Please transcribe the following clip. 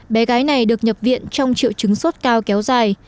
bé gái này được nhập viện trong triệu chứng sốt cao kéo dài